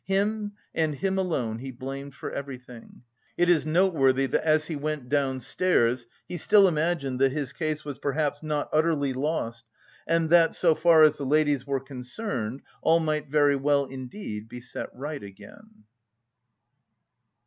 Him, and him alone, he blamed for everything. It is noteworthy that as he went downstairs he still imagined that his case was perhaps not utterly lost, and that, so far as the ladies were concerned, all might "very well indeed" be set right again.